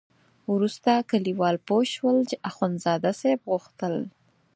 وروسته کلیوال پوه شول چې اخندزاده صاحب غوښتل.